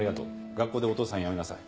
学校で「お父さん」はやめなさい。